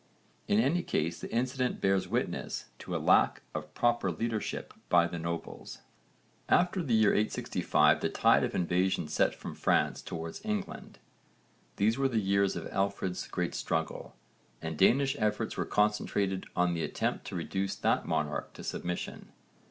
In any case the incident bears witness to a lack of proper leadership by the nobles. After the year 865 the tide of invasion set from France towards England. These were the years of Alfred's great struggle, and Danish efforts were concentrated on the attempt to reduce that monarch to submission.